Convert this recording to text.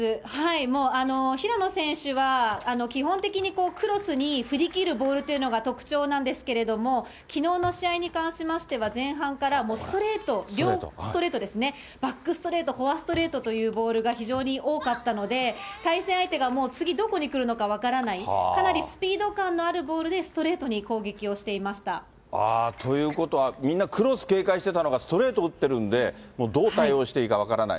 もう平野選手は、基本的にクロスに振り切るボールというのが特徴なんですけれども、きのうの試合に関しましては、前半からストレート、両ストレートですね、バックストレート、フォアストレートというボールが非常に多かったので、対戦相手がもう次、どこに来るのか分からない、かなりスピード感のあるボールでストということは、みんなクロス警戒してたのが、ストレート打ってるんで、どう対応していいか分からない。